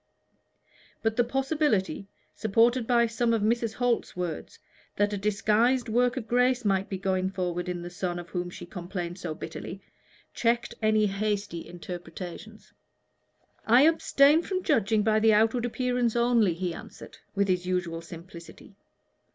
But the possibility, supported by some of Mrs. Holt's words, that a disguised work of grace might be going on in the son of whom she complained so bitterly, checked any hasty interpretations. "I abstain from judging by the outward appearance only," he answered, with his usual simplicity.